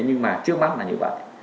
nhưng mà trước mắt là như vậy